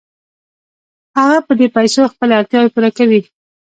هغه په دې پیسو خپلې اړتیاوې پوره کوي